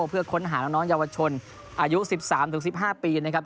เพื่อค้นหาน้องเยาวชนอายุ๑๓๑๕ปีนะครับ